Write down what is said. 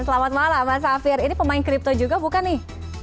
selamat malam mas safir ini pemain kripto juga bukan nih